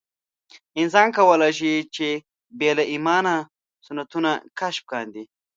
انسان کولای شي چې بې له ایمانه سنتونه کشف کاندي.